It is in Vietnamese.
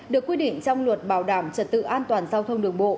được quy định trong luật bảo đảm trật tự an toàn giao thông đường bộ